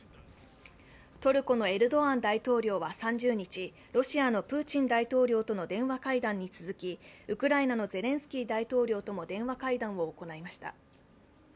トルコのエルドアン大統領３０日、ロシアのプーチン大統領との電話会談に続きウクライナのゼレンスキー大統領とも電話会談を行いました。